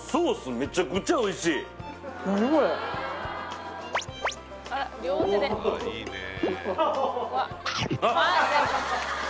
めちゃくちゃおいしい何これえ！